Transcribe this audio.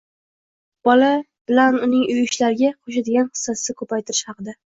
tabiiyki bola bilan uning uy ishlariga qo‘shadigan hissasi ko‘paytirish haqida